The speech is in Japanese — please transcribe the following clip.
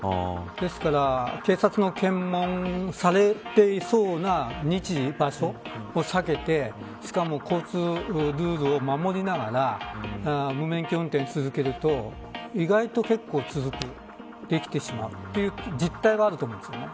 だから警察の検問されていそうな日時、場所を避けてしかも交通ルールを守りながら無免許運転続けると意外と結構続くできてしまうという実態はあると思うんですね。